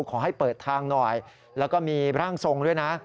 ขอให้เปิดทางหน่อยแล้วก็มีร่างทรงด้วยนะ